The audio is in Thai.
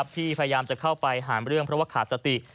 พยายามจะเข้าไปหาเรื่องเพราะว่าขาดสติ